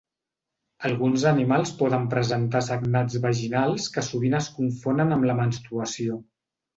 Alguns animals poden presentar sagnats vaginals que sovint es confonen amb la menstruació.